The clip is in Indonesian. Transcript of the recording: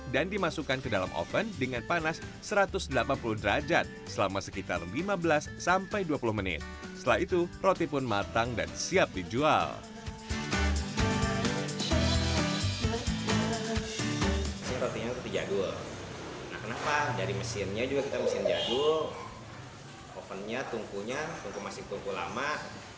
dan itu untuk mengetes rasanya tetap sama atau tidak